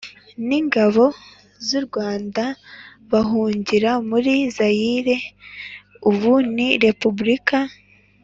N ingabo z u rwanda bahungira muri zayire ubu ni repubulika